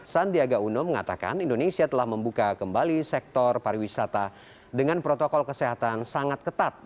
sandiaga uno mengatakan indonesia telah membuka kembali sektor pariwisata dengan protokol kesehatan sangat ketat